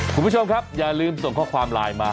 คุณผู้ชมครับอย่าลืมส่งข้อความไลน์มา